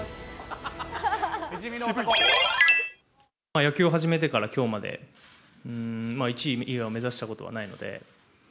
野球を始めてからきょうまで、１位以外を目指したことはないので。